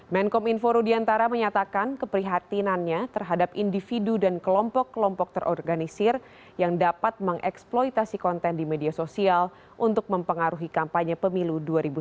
menkom info rudiantara menyatakan keprihatinannya terhadap individu dan kelompok kelompok terorganisir yang dapat mengeksploitasi konten di media sosial untuk mempengaruhi kampanye pemilu dua ribu sembilan belas